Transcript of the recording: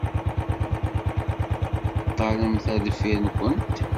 Ṭṭalemt ar deffir-nkent.